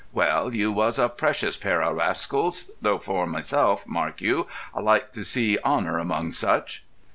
Well, you was a precious pair o' rascals—though for myself, mark you, I like to see honour among such."